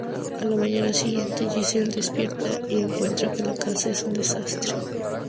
A la mañana siguiente Giselle despierta y encuentra que la casa es un desastre.